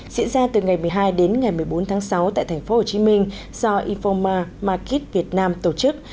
diễn ra từ ngày một mươi hai đến ngày một mươi bốn tháng sáu tại tp hcm do iphoma make việt nam tổ chức